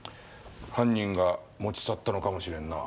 犯人が持ち去ったのかもしれんな。